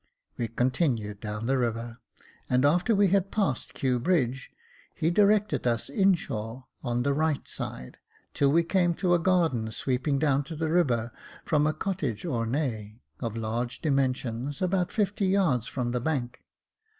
We continued down the river, and after we had passed Kew Bridge, he directed us in shore, on the right side, till we came to a garden sweeping down to the river from a cottage ornee, of large dimensions, about fifty yards from the bank.